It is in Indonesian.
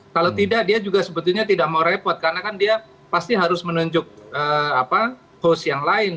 kalau tidak dia juga sebetulnya tidak mau repot karena kan dia pasti harus menunjuk host yang lain